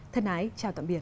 thân ái chào tạm biệt